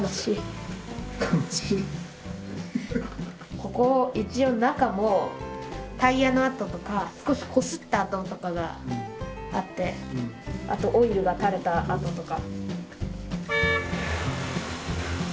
ここ一応中もタイヤの跡とか少しこすった跡とかがあってあとオイルが垂れた跡とか。